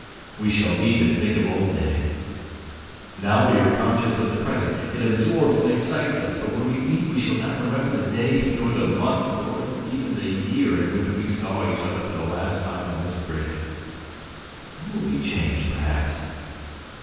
We shall meet and think of old days. ... Now we are conscious of the present; it absorbs and excites us, but when we meet we shall not remember the day, nor the month, nor even the year in which we saw each other for the last time on this bridge. You will be changed, perhaps